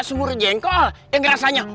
seguur jengkol yang rasanya